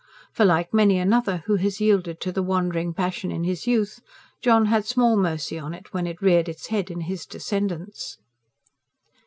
For, like many another who has yielded to the wandering passion in his youth, John had small mercy on it when it reared its head in his descendants.